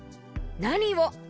「なにを」